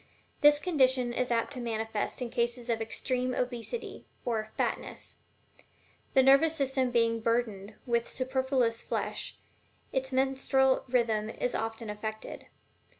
This condition is apt to be manifest in cases of extreme obesity or "fatness;" the nervous system being burdened with superfluous flesh, its menstrual rhythm is often affected.